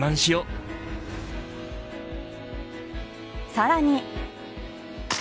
さらに。